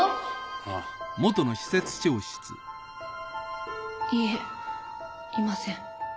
ああいいえいません。